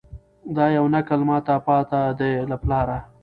دا یو نکل ماته پاته دی له پلاره